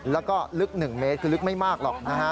แล้วก็ลึก๑เมตรคือลึกไม่มากหรอกนะฮะ